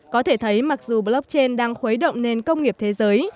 có thể thấy mặc dù blockchain đang khuấy động nền công nghiệp thế giới